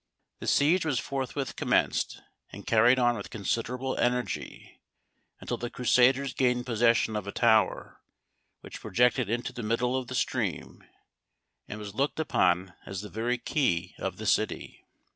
The siege was forthwith commenced, and carried on with considerable energy, until the Crusaders gained possession of a tower, which projected into the middle of the stream, and was looked upon as the very key of the city.